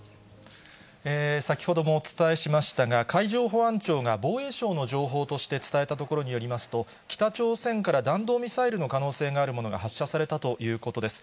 先ほどもお伝えしましたが、海上保安庁が防衛省の情報として伝えたところによりますと、北朝鮮から弾道ミサイルの可能性があるものが発射されたということです。